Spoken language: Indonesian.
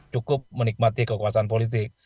cukup menikmati kekuasaan politik